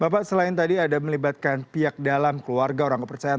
bapak selain tadi ada melibatkan pihak dalam keluarga orang kepercayaan